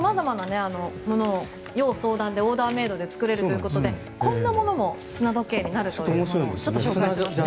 様々なものを、要相談でオーダーメイドで作れるということでこんなものも砂時計になるというのをちょっとご紹介します。